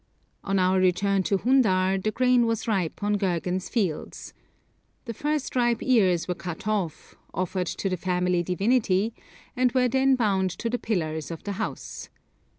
On our return to Hundar the grain was ripe on Gergan's fields. The first ripe ears were cut off, offered to the family divinity, and were then bound to the pillars of the house.